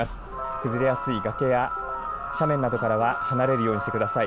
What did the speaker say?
崩れやすい斜面などからは離れるようにしてください。